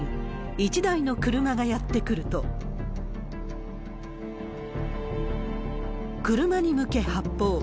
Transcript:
１台の車がやって来ると、車に向け発砲。